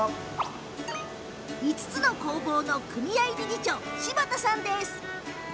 ５つの工房の組合理事長、柴田さんです。